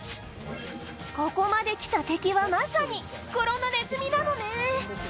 ここまで来た敵はまさに袋のネズミなのね